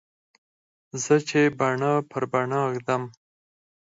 زه چې باڼه پر باڼه ږدم.